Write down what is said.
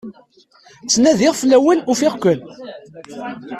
Ttnadiɣ fell-awen, ufiɣ-ken.